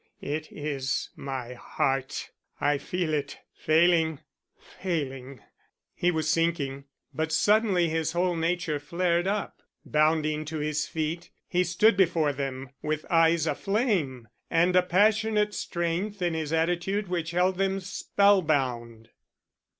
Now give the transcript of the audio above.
It is my heart I feel it failing failing " He was sinking, but suddenly his whole nature flared up. Bounding to his feet, he stood before them, with eyes aflame and a passionate strength in his attitude which held them spellbound.